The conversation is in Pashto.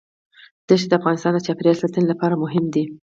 دښتې د افغانستان د چاپیریال ساتنې لپاره مهم دي.